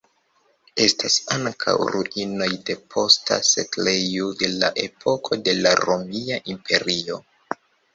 Estas ankaŭ ruinoj de posta setlejo de la epoko de la Romia Imperio.